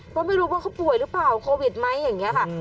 เพราะไม่รู้ว่าเขาป่วยหรือเปล่าโควิดไหมอย่างนี้ค่ะ